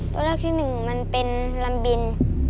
ตัวเลือกที่หนึ่งมันเป็นลำบิน